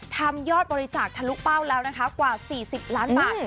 ยอดบริจาคทะลุเป้าแล้วนะคะกว่า๔๐ล้านบาท